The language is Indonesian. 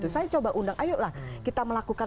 saya coba undang ayolah kita melakukan